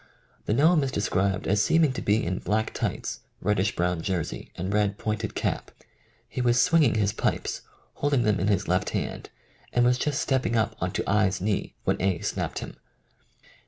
The gnome is described as seeming to be in black tights, reddish brown jersey, and red pointed cap. He was swinging his pipes, holding them in his left hand and was just stepping up on to I. 's knee when A. snapped him.